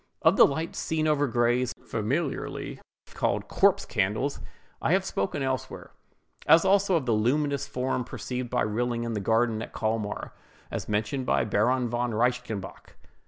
Of the lights seen over graves, familiarly called "corpse candles," I have spoken elsewhere—as also of the luminous form perceived by Rilling in the garden at Colmar, as mentioned by Baron von Reichenbach.